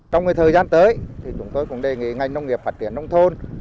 trong thời gian tới chúng tôi cũng đề nghị ngành nông nghiệp phát triển nông thôn